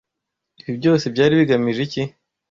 Ibi byose byari bigamije iki?